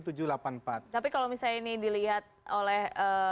tapi kalau misalnya ini dilihat oleh